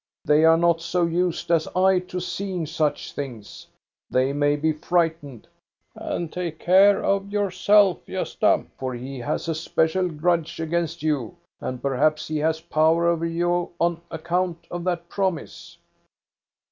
They are not so used as I to seeing such things. They may be frightened. And take care of yourself, Gosta, for he has a special grudge against you, and perhaps he has power over you on account of that promise."